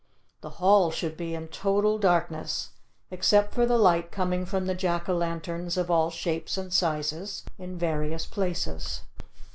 The hall should be in total darkness except for the light coming from the Jack o' lanterns of all shapes and sizes in various places.